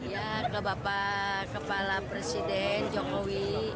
ya ke bapak kepala presiden jokowi